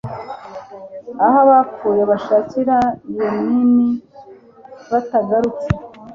Aho abapfuye bashakira hymen batagarutse